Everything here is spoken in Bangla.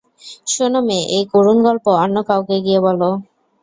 শোনো মেয়ে, এই করুণ গল্প অন্য কাউকে গিয়ে বল।